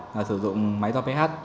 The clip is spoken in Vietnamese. là sử dụng máy do ph